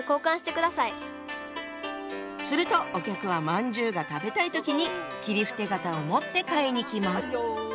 するとお客はまんじゅうが食べたい時に切符手形を持って買いに来ます。